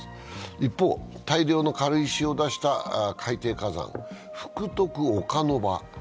一方、大量の軽石を出した海底火山福徳岡ノ場。